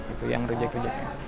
itu yang rejek rejeknya